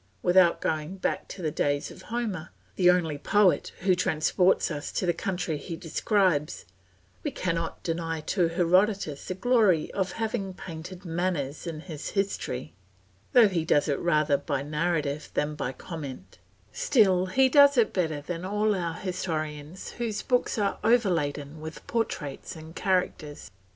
Without going back to the days of Homer, the only poet who transports us to the country he describes, we cannot deny to Herodotus the glory of having painted manners in his history, though he does it rather by narrative than by comment; still he does it better than all our historians whose books are overladen with portraits and characters.